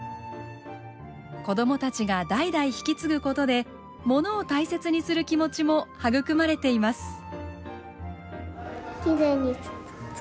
子供たちが代々引き継ぐことでものを大切にする気持ちも育まれています。